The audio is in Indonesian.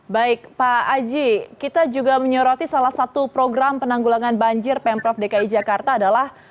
baik pak aji kita juga menyoroti salah satu program penanggulangan banjir pemprov dki jakarta adalah